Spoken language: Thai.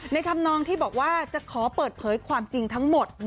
ธรรมนองที่บอกว่าจะขอเปิดเผยความจริงทั้งหมด